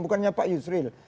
bukannya pak yusril